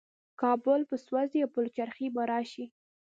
کابل به سوځي او پلچرخي به راشي.